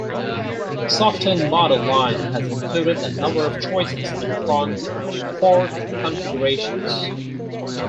The Softail model line has included a number of choices in front fork configurations.